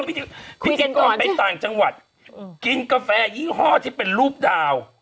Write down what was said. พิธีพิธีกรไปต่างจังหวัดกินกาแฟยี่ห้อที่เป็นรูปดาว